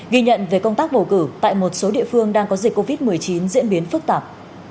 ghi nhận về công tác bầu cử tại một số địa phương đang có dịch covid một mươi chín diễn biến phức tạp